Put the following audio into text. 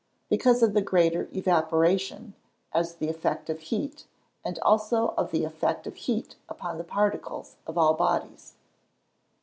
_ Because of the greater evaporation, as the effect of heat; and also of the effect of heat upon the particles of all bodies.